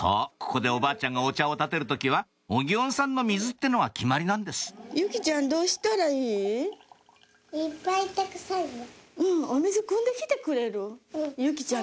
ここでおばあちゃんがお茶をたてる時はお祇園さんの水ってのが決まりなんです由季ちゃんと２人で。